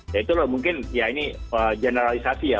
ya itu loh mungkin ya ini generalisasi ya